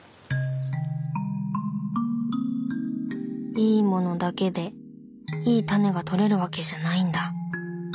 いいものだけでいいタネがとれるわけじゃないんだ。